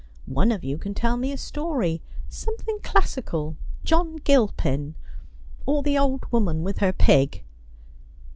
One of you can tell me a story — something classical — John Gilpin, or the Old Woman with her Pig.'